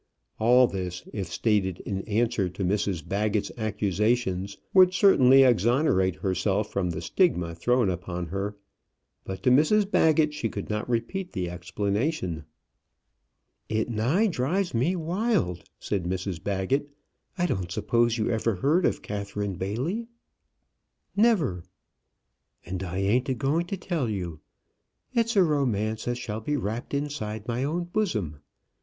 All this, if stated in answer to Mrs Baggett's accusations, would certainly exonerate herself from the stigma thrown upon her, but to Mrs Baggett she could not repeat the explanation. "It nigh drives me wild," said Mrs Baggett. "I don't suppose you ever heard of Catherine Bailey?" "Never." "And I ain't a going to tell you. It's a romance as shall be wrapped inside my own bosom.